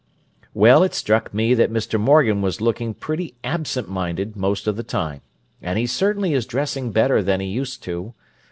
"Well, it struck me that Mr. Morgan was looking pretty absent minded, most of the time; and he certainly is dressing better than he used to.